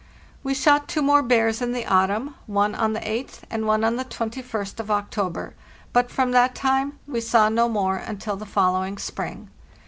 We shot two more bears in the autumn, one on the 8th and one on the 21st of October; but from that time we saw no more until the following spring.